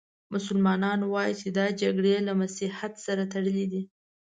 مسلمانان وايي چې دا جګړې له مسیحیت سره تړلې دي.